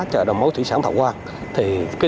chợ đồng mấu thủy sản thảo quang